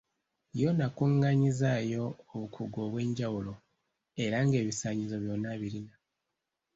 Yonna akungaanyizzaayo obukugu obwenjawulo era ng’ebisaanyizo byonna abirina.